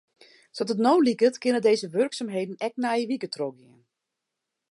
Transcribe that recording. Sa't it no liket kinne dizze wurksumheden ek nije wike trochgean.